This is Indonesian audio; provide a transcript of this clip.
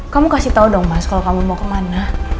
kamu kasih tau dong mas kalo kamu mau ke mana